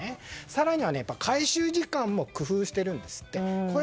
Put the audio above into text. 更には、回収時間も工夫しているんですって。